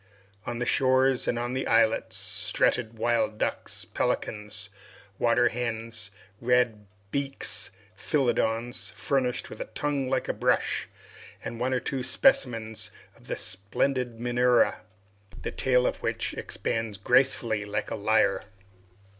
On the shores and on the islets, strutted wild ducks, pelicans, water hens, red beaks, philedons, furnished with a tongue like a brush, and one or two specimens of the splendid menura, the tail of which expands gracefully like a lyre.